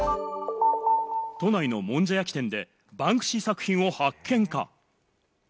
都内のもんじゃ焼き店でバンクシー作品を発見か？